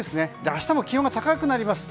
明日も気温が高くなります。